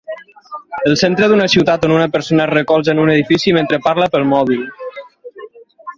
el centre d"una ciutat on una persona es recolza en un edifici mentre parla pel mòbil.